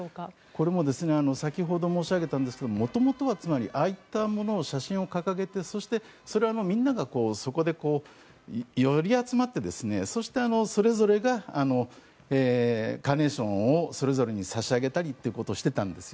これも先ほど申し上げたんですが元々は、つまりああいったものを写真を掲げてそこでみんなが寄り集まってそしてそれぞれがカーネーションをそれぞれに差し上げたりということをしていたんです。